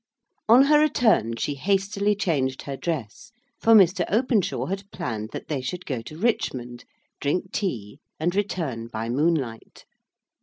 On her return, she hastily changed her dress; for Mr. Openshaw had planned that they should go to Richmond, drink tea and return by moonlight.